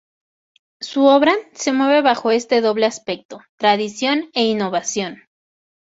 Su obra se mueve bajo este doble aspecto: tradición e innovación.